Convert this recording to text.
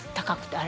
あれ？